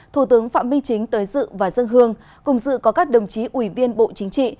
thủ tướng phạm minh chính tới dự và dân hương cùng dự có các đồng chí ủy viên bộ chính trị